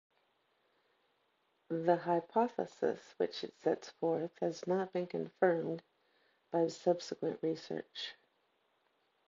The hypothesis which it sets forth has not been confirmed by subsequent research.